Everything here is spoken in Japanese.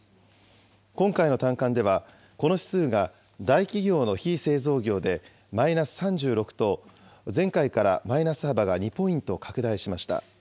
今回の短観では、この指数が大企業の非製造業でマイナス３６と、前回からマイナス幅が２ポイント拡大しました。